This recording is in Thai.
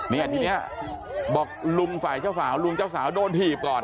เนี่ยทีนี้บอกลุงฝ่ายเจ้าสาวลุงเจ้าสาวโดนถีบก่อน